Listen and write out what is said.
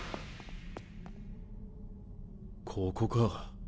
ここか。